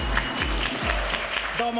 どうも。